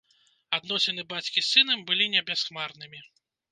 Адносіны бацькі з сынам былі не бясхмарнымі.